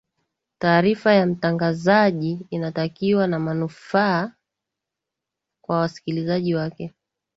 taarifa ya mtangazaji inatakiwa na manufaa kwa waskilizaji wake